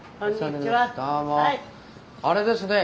あれですね